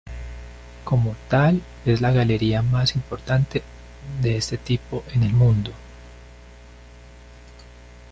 Como tal es la galería más importante de este tipo en el mundo.